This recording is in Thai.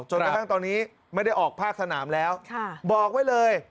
จนกระทั่งตอนนี้ไม่ได้ออกภาคสนามแล้วบอกไว้เลย